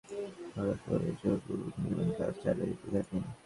কিন্তু আবুল কাশেম সন্ত্রাসীদের ভাড়া করে জোরপূর্বক নির্মাণকাজ চালিয়ে যেতে থাকেন।